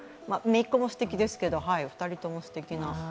姪っ子もすてきですけど、２人ともすてきな。